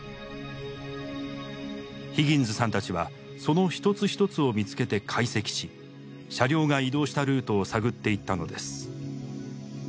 ヒギンズさんたちはその一つ一つを見つけて解析し車両が移動したルートを探っていったのです。